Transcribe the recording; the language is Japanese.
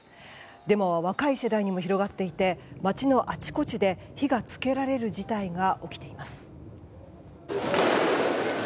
デモは若い世代にも広がっていて街のあちこちで火が付けられる事態が起きています。